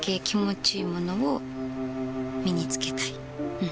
うん。